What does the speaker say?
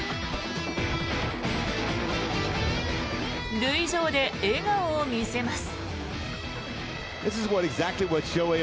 塁上で笑顔を見せます。